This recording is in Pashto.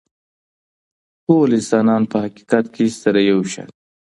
ټول انسانان په حقیقت کي سره یو شان دي.